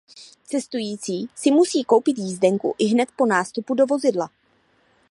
Cestující si musí koupit jízdenku ihned po nástupu do vozidla.